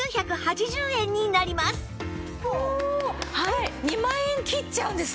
えっ２万円切っちゃうんですか！？